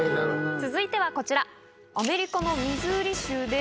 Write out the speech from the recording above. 続いてはこちら。